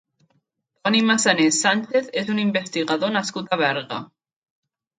Toni Massanés Sánchez és un investigador nascut a Berga.